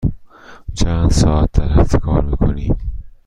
چند ساعت در هفته کار می کنی؟